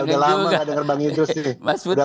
sudah lama nggak dengar bang idrus